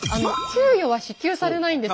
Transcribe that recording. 給与は支給されないんですよ。